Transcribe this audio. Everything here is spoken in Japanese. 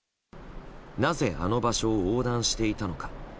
なぜ、あの場所を横断していたのか。